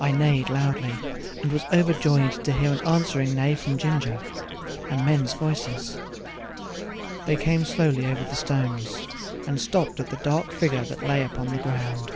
I neighed loudly, and was overjoyed to hear an answering neigh from Ginger, and men's voices. They came slowly over the stones, and stopped at the dark figure that lay upon the ground.